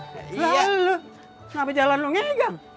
lalu kenapa jalan lu ngegang